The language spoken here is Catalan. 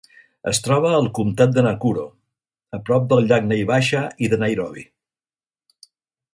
Es troba al comtat de Nakuro, a prop del llac Naivasha i de Nairobi.